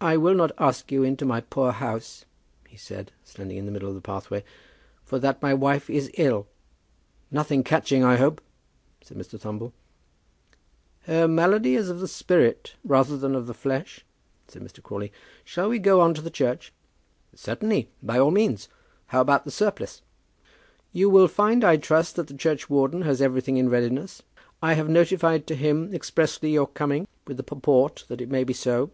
"I will not ask you into my poor house," he said, standing in the middle of the pathway; "for that my wife is ill." "Nothing catching, I hope?" said Mr. Thumble. "Her malady is of the spirit rather than of the flesh," said Mr. Crawley. "Shall we go on to the church?" "Certainly, by all means. How about the surplice?" "You will find, I trust, that the churchwarden has everything in readiness. I have notified to him expressly your coming, with the purport that it may be so."